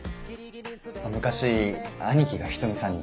昔兄貴が仁美さんに。